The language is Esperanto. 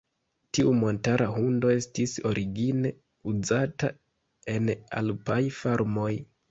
Tiu montara hundo estis origine uzata en alpaj farmoj.